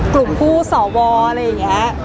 กลุ่มผู้สวอะไรอย่างนี้